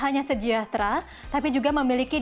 hanya sejahtera tapi juga memiliki